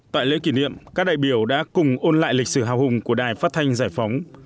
tại lễ kỷ niệm các đại biểu đã cùng ôn lại lịch sử hào hùng của đài phát thanh giải phóng